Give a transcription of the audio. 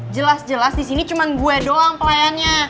jelas jelas di sini cuma gue doang pelayannya